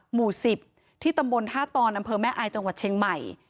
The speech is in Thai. หมู่๑๐ที่ตำบลท่าตอนอำเภอแม่อายจังหวัดเชียงใหม่